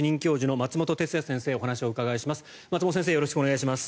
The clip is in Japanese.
松本先生よろしくお願いします。